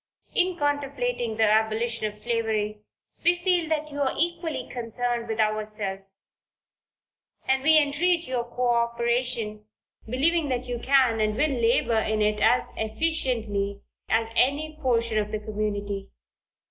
In contemplating the abolition of slavery, we feel that you are equally concerned with ourselves, and we entreat your co operation, believing that you can and will labor in it as efficiently as any portion of the community.